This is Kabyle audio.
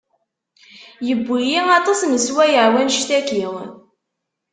Yewwi-yi aṭas n sswayeɛ wanect-aki.